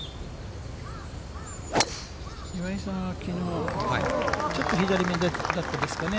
岩井さんはきのう、ちょっと左めだったですかね。